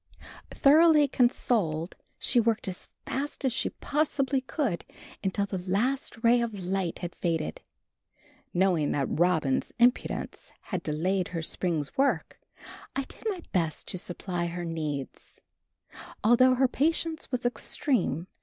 Thoroughly consoled, she worked as fast as she possibly could until the last ray of light had faded. Knowing that Robin's impudence had delayed her spring's work, I did my best to supply her needs. Altogether her patience was extreme.